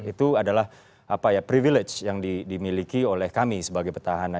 itu adalah privilege yang dimiliki oleh kami sebagai petahana